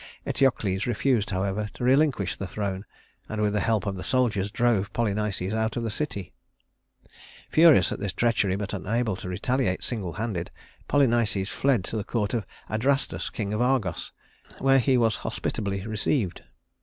Eteocles refused, however, to relinquish the throne; and with the help of the soldiers, drove Polynices out of the city. [Illustration: Antigone and Ismene] Furious at this treachery, but unable to retaliate single handed, Polynices fled to the court of Adrastus, king of Argos, where he was hospitably received.